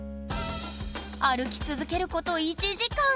歩き続けること１時間。